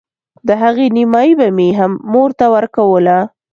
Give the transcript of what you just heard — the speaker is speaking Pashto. د هغې نيمايي به مې هم مور ته ورکوله.